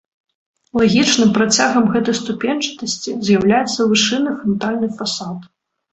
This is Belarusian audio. Лагічным працягам гэтай ступеньчатасці з'яўляецца вышынны франтальны фасад.